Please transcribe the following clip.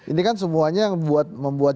ini kan semuanya membuat